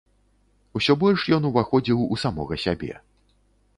Усё больш ён уваходзіў у самога сябе.